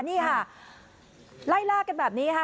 นี่ค่ะไล่ล่ากันแบบนี้ค่ะ